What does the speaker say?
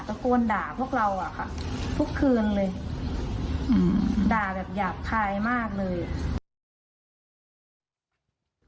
ตะโกนด่าพวกเราอ่ะค่ะทุกคืนเลยอืมด่าแบบหยาบคายมากเลยอ่ะ